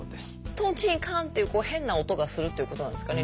「とんちんかん」ていう変な音がするっていうことなんですかね